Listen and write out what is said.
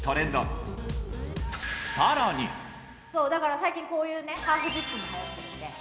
最近こういうハーフジップも流行ってるんで。